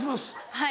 はい。